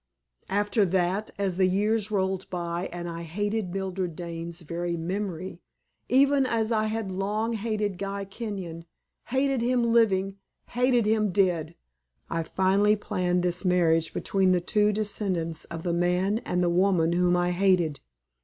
"After that, as the years rolled by, and I hated Mildred Dane's very memory even as I had long hated Guy Kenyon; hated him living, hated him dead I finally planned this marriage between the two descendants of the man and the woman whom I hated.